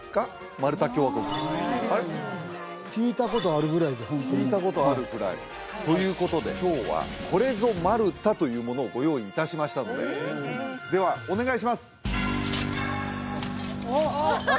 マルタ共和国ないですね聞いたことあるぐらいでホントに聞いたことあるぐらいはいということで今日はこれぞマルタというものをご用意いたしましたのでえではお願いしますああ？